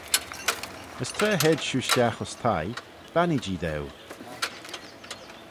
As tra hed shiu stiagh ayns thie, bannee-jee daue.